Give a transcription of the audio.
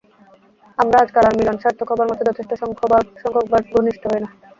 আমরা আজকাল আর মিলন সার্থক হবার মতো যথেষ্ট সংখ্যকবার ঘনিষ্ঠ হই না।